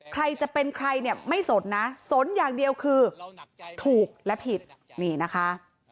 ใครจะเป็นใครเนี่ยไม่สนนะสนอย่างเดียวคือถูกและผิดนี่นะคะ